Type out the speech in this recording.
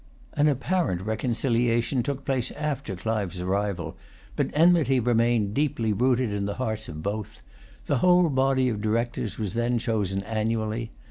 An apparent reconciliation took place after Clive's arrival; but enmity remained deeply rooted in the hearts of both. The whole body of Directors was then chosen annually.